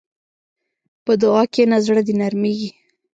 په دعا کښېنه، زړه دې نرمېږي.